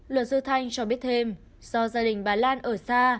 luật sư thanh cho biết thêm do gia đình bà lan ở xa